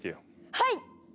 はい！